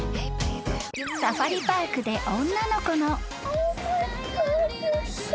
［サファリパークで女の子の］